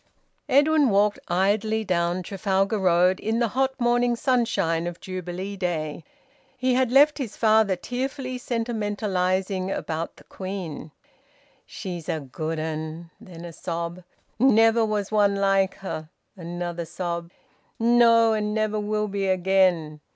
Edwin walked idly down Trafalgar Road in the hot morning sunshine of Jubilee Day. He had left his father tearfully sentimentalising about the Queen. `She's a good 'un!' Then a sob. `Never was one like her!' Another sob. `No, and never will be again!'